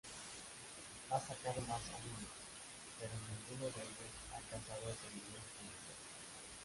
Ha sacado más álbumes, pero en ninguno de ellos ha alcanzado ese nivel comercial.